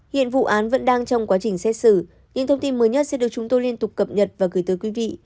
hiện vụ án vẫn đang trong quá trình xét xử những thông tin mới nhất sẽ được chúng tôi liên tục cập nhật và gửi tới quý vị